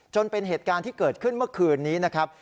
จนเป็นเหตุการณ์ที่เกิดขึ้นเมื่อคืนนี้นะครับ